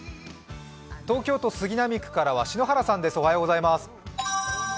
東京都杉並区からは篠原さんです。